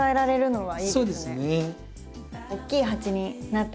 はい。